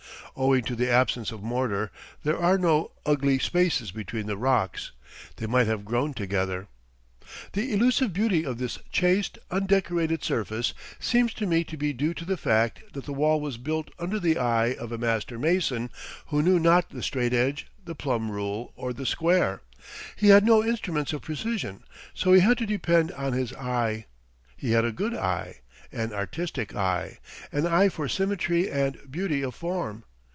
Owing to the absence of mortar, there are no ugly spaces between the rocks. They might have grown together. The elusive beauty of this chaste, undecorated surface seems to me to be due to the fact that the wall was built under the eye of a master mason who knew not the straight edge, the plumb rule, or the square. He had no instruments of precision, so he had to depend on his eye. He had a good eye, an artistic eye, an eye for symmetry and beauty of form.